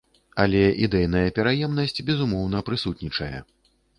Але ідэйная пераемнасць, безумоўна, прысутнічае.